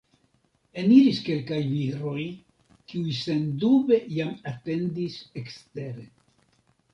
Eniris kelkaj viroj, kiuj sendube jam atendis ekstere.